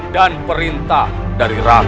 dan perintah dari rakyat